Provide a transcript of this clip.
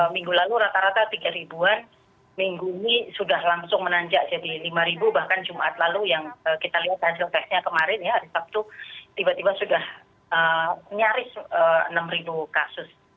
minggu lalu rata rata tiga ribuan minggu ini sudah langsung menanjak jadi lima ribu bahkan jumat lalu yang kita lihat hasil tesnya kemarin ya hari sabtu tiba tiba sudah nyaris enam kasus